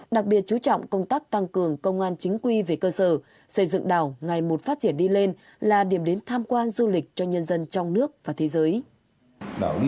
đặc biệt chú trọng công tác tăng cường công an chính quy về cơ sở xây dựng đảo ngày một phát triển đi lên là điểm đến tham quan du lịch cho nhân dân trong nước và thế giới